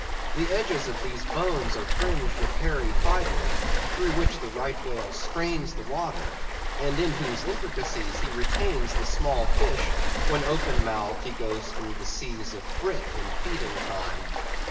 The edges of these bones are fringed with hairy fibres, through which the Right Whale strains the water, and in whose intricacies he retains the small fish, when openmouthed he goes through the seas of brit in feeding time.